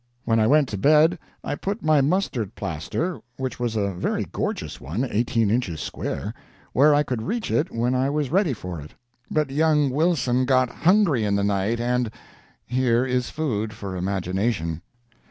When I went to bed, I put my mustard plaster which was a very gorgeous one, eighteen inches square where I could reach it when I was ready for it. But young Wilson got hungry in the night, and here is food for the imagination.